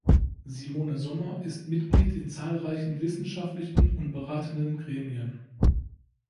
Simone Sommer ist Mitglied in zahlreichen wissenschaftlichen und beratenden Gremien.